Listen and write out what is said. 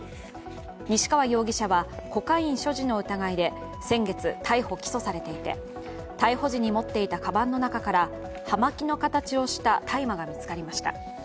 西川容疑者はコカイン所持の疑いで先月、逮捕・起訴されていて、逮捕時に持っていたかばんの中から葉巻の形をした大麻が見つかりました。